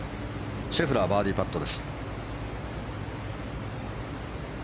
シェフラー、バーディーパット。